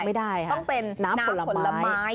ไม่ได้ค่ะน้ำผลละไม้